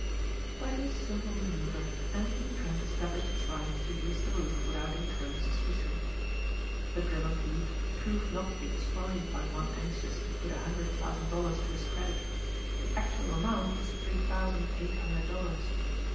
By this simple maneuver Anthony Trent established his right to use the roof without incurring suspicion. The Drummond loot proved not to be despised by one anxious to put a hundred thousand dollars to his credit. The actual amount was three thousand, eight hundred dollars.